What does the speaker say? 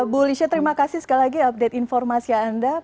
bu lisha terima kasih sekali lagi update informasi anda